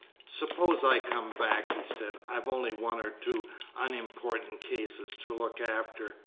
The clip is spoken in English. "Suppose I come back?" he said. "I've only one or two unimportant cases to look after.